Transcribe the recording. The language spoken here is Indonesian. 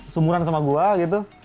sumuran sama gue gitu